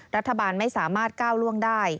รัฐบาลไม่สามารถก้าวล่วงได้